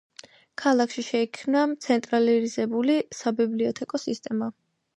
ქალაქში შეიქმნა ცენტრალიზირებული საბიბლიოთეკო სისტემა.